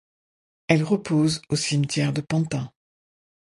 Elle repose au cimetière de Pantin.